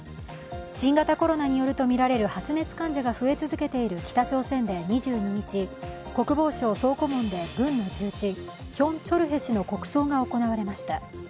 新型コロナによるとみられる発熱患者が増え続けている北朝鮮で２２日国防省総顧問で軍の重鎮、ヒョン・チョルヘ氏の国葬が行わました。